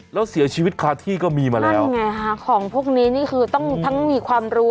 แล้วเสียชีวิตคาที่ก็มีมาแล้วนี่ไงฮะของพวกนี้นี่คือต้องทั้งมีความรู้